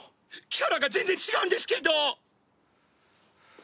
キャラが全然違うんですけど！